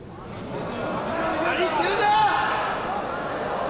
何言ってるんだ！